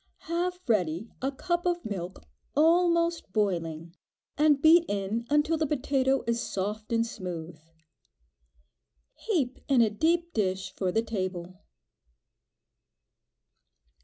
Have ready a cup of milk almost boiling, and beat in until the potato is soft and smooth. Heap in a deep dish for the table.